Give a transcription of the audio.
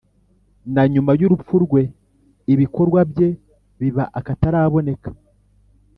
na nyuma y’urupfu rwe, ibikorwa bye biba akataraboneka.